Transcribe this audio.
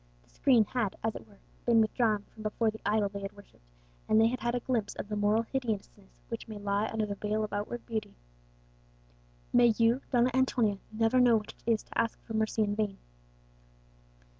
The screen had, as it were, been withdrawn from before the idol they had worshipped, and they had had a glimpse of the moral hideousness which may lie under the veil of outward beauty. "May you, Donna Antonia, never know what it is to ask for mercy in vain!"